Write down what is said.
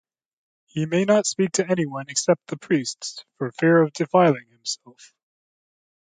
He may not speak to anyone except the priests for fear of defiling himself.